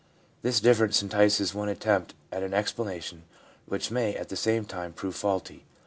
This difference entices one to attempt an ex planation, which may, at the same time, prove faulty.